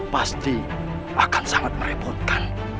pasti akan sangat merebutkan